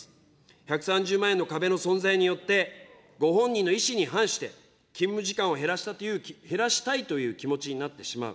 １３０万円の壁の存在によって、ご本人の意思に反して、勤務時間を減らしたいという気持ちになってしまう。